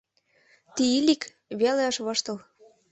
Тиилик веле ыш воштыл.